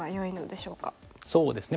そうですね